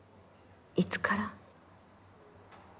いつから？